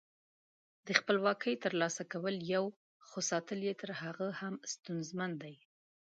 د خپلواکۍ تر لاسه کول یو، خو ساتل یې تر هغه هم ستونزمن دي.